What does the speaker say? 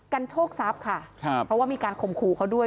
โชคทรัพย์ค่ะครับเพราะว่ามีการข่มขู่เขาด้วย